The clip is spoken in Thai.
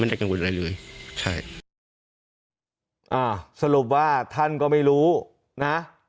ได้กังวลอะไรเลยใช่อ่าสรุปว่าท่านก็ไม่รู้นะ